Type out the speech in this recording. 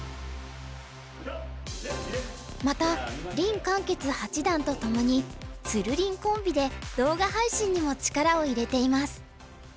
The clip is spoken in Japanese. また林漢傑八段とともにつるりんコンビで動画配信にも力を入れています。